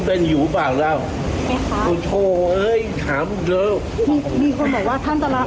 เป็นอยู่บ้างแล้วโอ้โธเอ้ยถามเถอะมีมีคนบอกว่าท่านจะลาออก